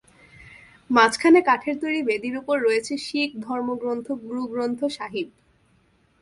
মাঝখানে কাঠের তৈরি বেদির ওপর রয়েছে শিখ ধর্মগ্রন্থ গুরু গ্রন্থ সাহিব।